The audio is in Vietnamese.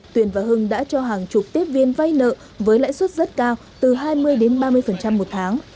tuyền và hưng đã cho hàng chục tiếp viên vay nợ với lãi suất rất cao từ hai mươi đến ba mươi một tháng